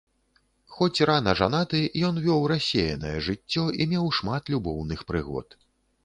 Хоць рана жанаты, ён вёў рассеянае жыццё і меў шмат любоўных прыгод.